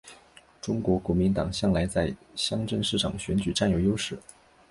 中国国民党向来在乡镇市长选举占有优势。